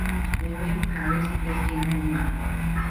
Mariam Parris plays the young woman.